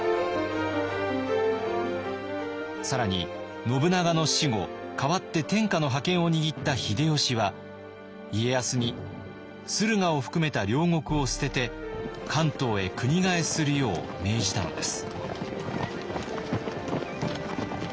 更に信長の死後代わって天下の覇権を握った秀吉は家康に駿河を含めた領国を捨てて関東へ国替えするよう命じたのです。